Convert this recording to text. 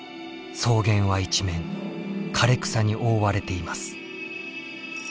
草原は一面枯れ草に覆われています。